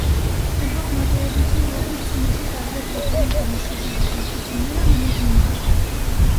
Փռվող մակերևույթի ուղղագիծ ծնիչի տարբեր կետերում տարած շոշափող հարթությունները համընկնում են։